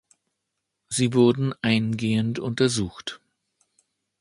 Sie wurden eingehend untersucht.